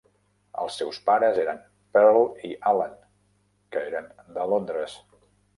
Els seus pares eren Pearl i Alan, que eren de Londres.